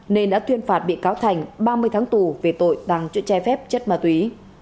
nên đã tuyên phạt bị cáo thành ba mươi tháng tù về tội tàng chữ trái phép chất ma túy